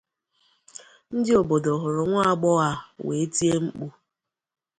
Ndị obodo hụrụ nwagbọghọ a wee tie mkpu